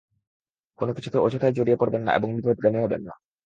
কোন কিছুতে অযথাই জড়িয়ে পড়বেন না এবং বিপথগামী হবেন না।